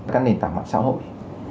các nền tảng mạng xã hội